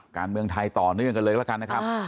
การเมืองไทยต่อเนื่องกันเลยแล้วกันนะครับ